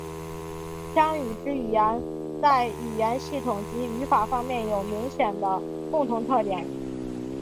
羌语支语言在语音系统及语法方面有明显的共同特点。